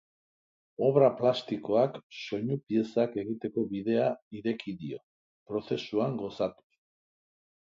Obra plastikoak soinu piezak egiteko bidea ireki dio, prozesuan gozatuz.